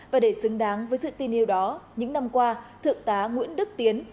và để xứng đáng với sự tin yêu đó những năm qua thượng tá nguyễn đức tiến